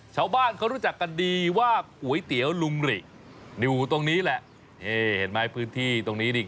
ชาวบ้านเขารู้จักกันดีว่าก๋วยเตี๋ยวลุงหริอยู่ตรงนี้แหละนี่เห็นไหมพื้นที่ตรงนี้นี่